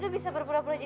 bisa berbicara sama sama